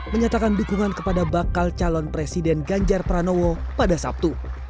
menyatakan dukungan kepada bakal calon presiden ganjar pranowo pada sabtu